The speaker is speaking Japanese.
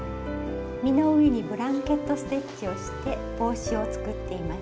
実の上にブランケット・ステッチをして帽子を作っています。